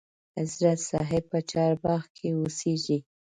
حضرت صاحب په چارباغ کې اوسیږي.